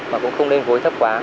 mà cũng không nên gối thấp quá